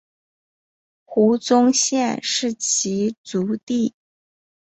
胡宗宪是其族弟。